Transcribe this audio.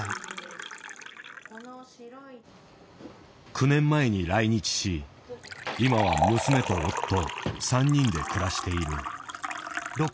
９年前に来日し今は娘と夫３人で暮らしている。